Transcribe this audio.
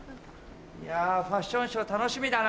いやファッションショー楽しみだな。